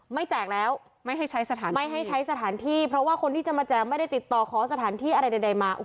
ไม่แจกแล้วไม่ให้ใช้สถานที่เพราะว่าคนที่จะมาแจกไม่ได้ติดต่อขอสถานที่อะไรใดมา